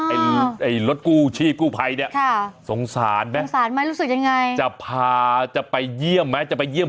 ไอ้รถกู้ชีพกู้ไพรเนี่ยสงสารไหมจะไปเยี่ยมหัวไหม